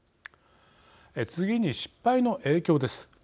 次に失敗の影響です。